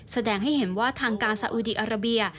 แสดงให้เห็นว่าทางการสาอุดีอาราเบีย